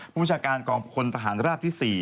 มุชาการกองประควรทหารราบที่๔